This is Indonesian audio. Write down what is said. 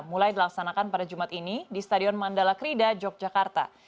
mulai dilaksanakan pada jumat ini di stadion mandala krida yogyakarta